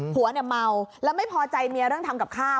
ผัวเนี่ยเมาแล้วไม่พอใจเมียเรื่องทำกับข้าว